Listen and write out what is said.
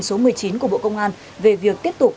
số một mươi chín của bộ công an về việc tiếp tục